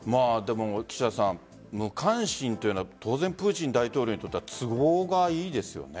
岸田さん無関心というのは当然、プーチン大統領にとっては都合がいいですよね。